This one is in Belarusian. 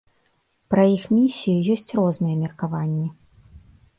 Пра іх місію ёсць розныя меркаванні.